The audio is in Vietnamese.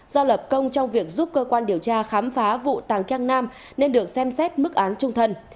do lập công trong việc giúp cơ quan điều tra khám phá vụ tàng keng nam nên được xem xét mức án trung thân